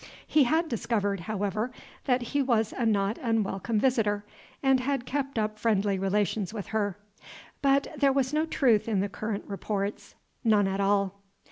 He had discovered, however; that he was a not unwelcome visitor, and had kept up friendly relations with her. But there was no truth in the current reports, none at all.'